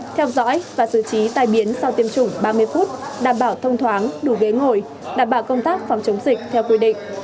theo dõi và xử trí tai biến sau tiêm chủng ba mươi phút đảm bảo thông thoáng đủ ghế ngồi đảm bảo công tác phòng chống dịch theo quy định